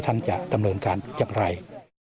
ท่านจะดำเนินการอย่างไร